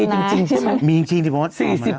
มันมีจริงมีจริงที่ผมเข้ามาแล้ว